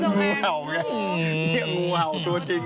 มีงูเห่าตัวจริง